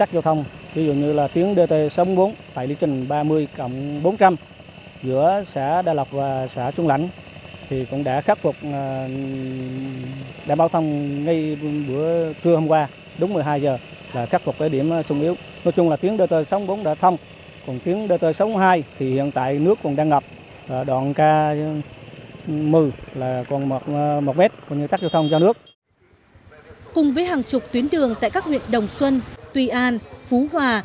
cùng với hàng chục tuyến đường tại các huyện đồng xuân tùy an phú hòa